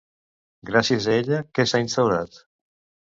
Gràcies a ella, què s'ha instaurat?